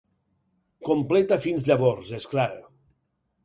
Completa fins llavors, és clar.